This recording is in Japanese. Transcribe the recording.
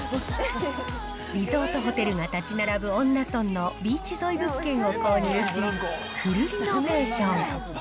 リゾートホテルが建ち並ぶ恩納村のビーチ沿い物件を購入し、フルリノベーション。